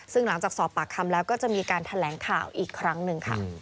ซึ่งหลังจากสอบปากคำแล้วก็จะมีการแถลงข่าวอีกครั้งหนึ่งค่ะ